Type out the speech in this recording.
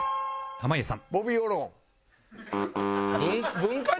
濱家さん